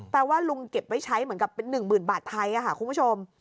แปลว่าลุงเก็บไว้ใช้เหมือนกับเป็น๑๐๐๐บาทไทยค่ะคุณผู้ชม